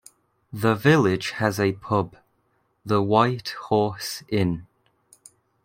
The village has a pub, the "White Horse Inn".